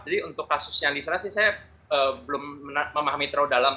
jadi untuk kasus yang disana sih saya belum memahami terlalu dalam